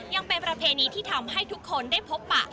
ยังเป็นประเพณีที่ทำให้ทุกคนได้พบปะ